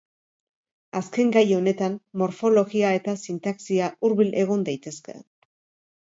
Azken gai honetan, morfologia eta sintaxia hurbil egon daitezke.